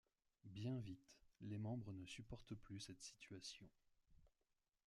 Bien vite, les membres ne supportent plus cette situation.